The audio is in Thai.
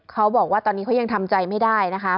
เขาบอกว่าตอนนี้เขายังทำใจไม่ได้นะคะ